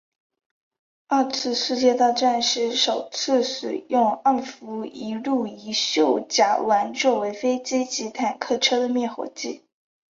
二次世界大战时首次使用二氟一氯一溴甲烷作为飞机及坦克车的灭火剂。